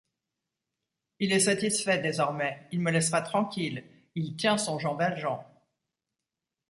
Il est satisfait désormais, il me laissera tranquille, il tient son Jean Valjean!